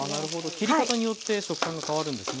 切り方によって食感が変わるんですね。